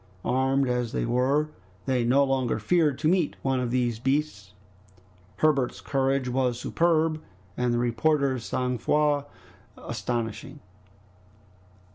Armed as they were, they no longer feared to meet one of those beasts. Herbert's courage was superb, and the reporter's sang froid astonishing.